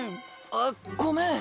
あっごめん。